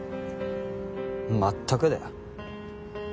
まったくだよ。